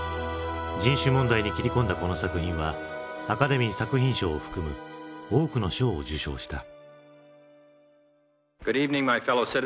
人種問題に切り込んだこの作品はアカデミー作品賞を含む多くの賞を受賞した。